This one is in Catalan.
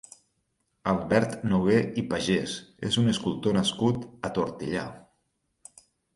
Albert Nogué i Pagès és un escultor nascut a Tortellà.